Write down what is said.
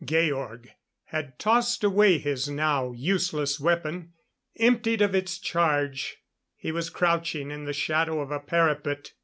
] Georg had tossed away his now useless weapon emptied of its charge. He was crouching in the shadow of a parapet.